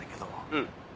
うん。